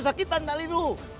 sakitan tak liru